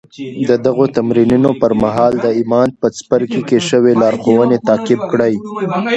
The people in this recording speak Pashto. د دغو تمرينونو پر مهال د ايمان په څپرکي کې شوې لارښوونې تعقيب کړئ.